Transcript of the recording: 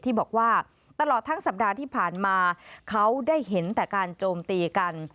ที่บอกว่าตลอดทั้งสัปดาห์ที่ผ่านมาเขาได้เห็นแต่การโจมตีกัน